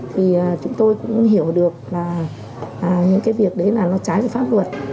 thì chúng tôi cũng hiểu được là những cái việc đấy là nó trái với pháp luật